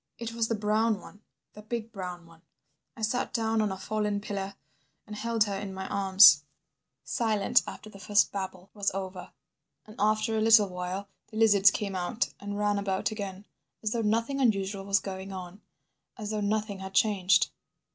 "It was the brown one, the big brown one. I sat down on a fallen pillar and held her in my arms ... Silent after the first babble was over. And after a little while the lizards came out and ran about again, as though nothing unusual was going on, as though nothing had changed